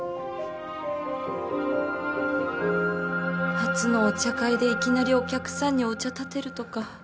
初のお茶会でいきなりお客さんにお茶たてるとか